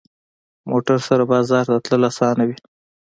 موټر سره بازار ته تلل اسانه وي.